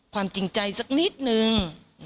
ความจริงใจสักนิดนึง